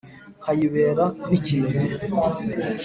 nkayibera n’ikinege